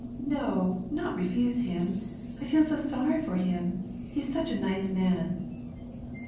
" No, not refuse him ! I feel so sorry for him ! He is such a nice man